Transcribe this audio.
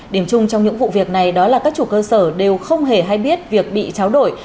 điểm chung trong những vụ việc này đó là các chủ cơ sở đều không hề hay biết việc bị cháo đổi